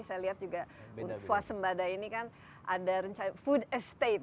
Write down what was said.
saya lihat juga swasembada ini kan ada rencana food estate